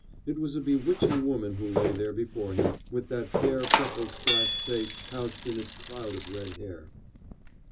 It was a bewitching woman who lay there before him, with that fair freckle splashed face couched in its cloud of red hair.